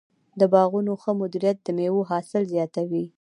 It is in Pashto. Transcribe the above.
د باغونو ښه مدیریت د مېوو حاصل زیاتوي.